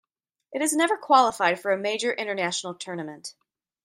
It has never qualified for a major international tournament.